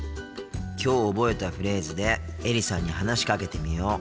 きょう覚えたフレーズでエリさんに話しかけてみよう。